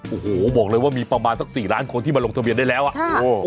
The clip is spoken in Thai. โอ้โหบอกเลยว่ามีประมาณสักสี่ล้านคนที่มาลงทะเบียนได้แล้วอ่ะโอ้